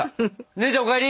姉ちゃんお帰り。